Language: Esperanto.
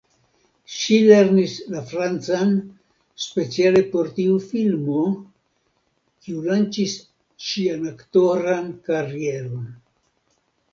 Ŝi lernis la francan speciale por tiu filmo, kiu lanĉis ŝian aktoran karieron.